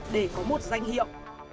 để có một danh hiệu